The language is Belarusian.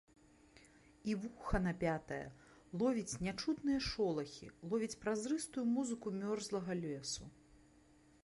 І вуха напятае ловіць нячутныя шолахі, ловіць празрыстую музыку мёрзлага лесу.